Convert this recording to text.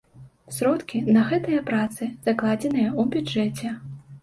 Сродкі на гэтыя працы закладзеныя ў бюджэце.